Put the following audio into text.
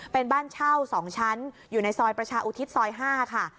เป็นบ้านเช่า๒ชั้นอยู่ในซอยประชาอุทิศซอย๕ค่ะ